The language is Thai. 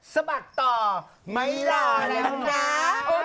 สบักต่อไม่รอด